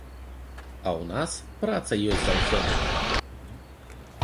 А ў нас праца ёсць заўсёды.